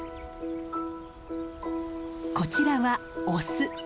こちらはオス。